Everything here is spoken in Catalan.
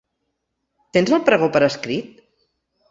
Tens el pregó per escrit?